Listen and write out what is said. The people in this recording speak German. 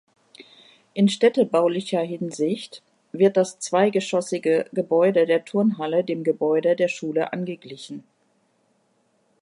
In städtebaulicher Hinsicht wird das zweigeschossige Gebäude der Turnhalle dem Gebäude der Schule angeglichen.